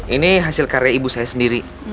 ini hasil karya ibu saya sendiri